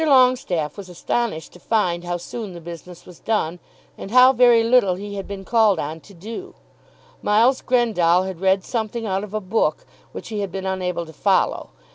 Longestaffe was astonished to find how soon the business was done, and how very little he had been called on to do. Miles Grendall had read something out of a book which he had been unable to follow.